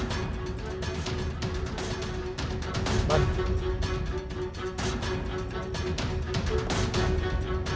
kenapa gedungnya bisa runtuh ya